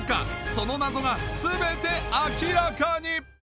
その謎が全て明らかに！